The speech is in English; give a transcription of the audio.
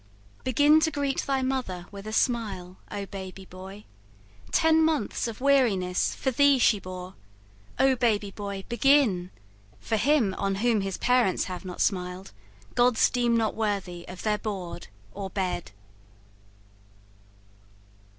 Begin to greet thy mother with a smile, O baby boy! ten months of weariness For thee she bore: O baby boy, begin! For him, on whom his parents have not smiled, Gods deem not worthy of their board or bed.